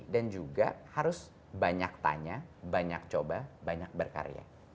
dan juga harus banyak tanya banyak coba banyak berkarya